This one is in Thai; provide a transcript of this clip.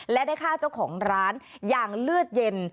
และได้ฆ่าเจ้าของร้านอย่างเลือดเย็น